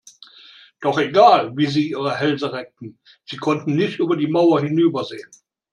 Doch egal, wie sie ihre Hälse reckten, sie konnten nicht über die Mauer hinübersehen.